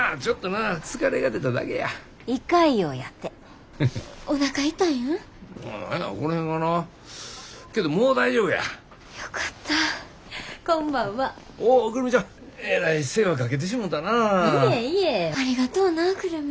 ありがとうな久留美。